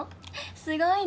すごいね。